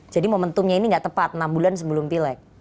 jadi momentumnya ini gak tepat enam bulan sebelum pilek